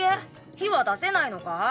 火は出せないのか？